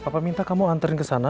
papa minta kamu anterin kesana